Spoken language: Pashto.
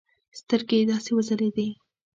سترگې يې داسې وځلېدې.